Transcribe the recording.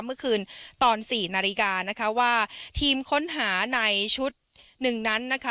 เมื่อคืนตอน๔นาฬิกานะคะว่าทีมค้นหาในชุดหนึ่งนั้นนะคะ